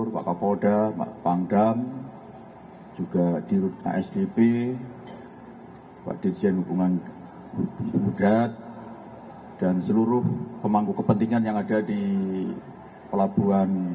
pak dirut asdp pak dirjen hubungan budrat dan seluruh pemangku kepentingan yang ada di pelabuhan